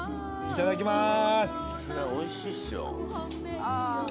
いただきます